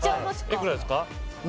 いくらですか？